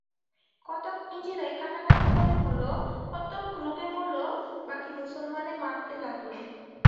কতক নিজেরাই কাটাকাটি করে মলো, কতক রোগে মলো, বাকী মুসলমানে মারতে লাগল।